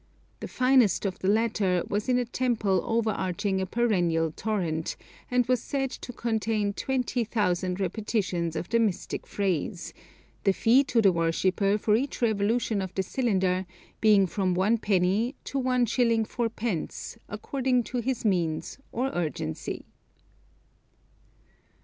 The finest of the latter was in a temple overarching a perennial torrent, and was said to contain 20,000 repetitions of the mystic phrase, the fee to the worshipper for each revolution of the cylinder being from 1_d._ to 1_s._ 4_d._, according to his means or urgency.